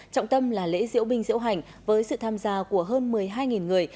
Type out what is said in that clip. trọng tâm là lễ diễu binh diễu hành với sự tham gia của hơn một mươi hai người